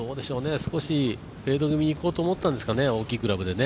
少しフェード気味にいこうと思ったんですかね大きいグラブでね。